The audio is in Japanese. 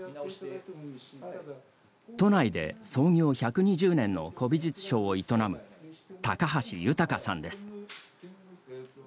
都内で創業１２０年の古美術商を営む、高橋豊さんです。